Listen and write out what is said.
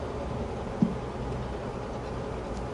The event was ostensibly intended to celebrate the coming of aliens.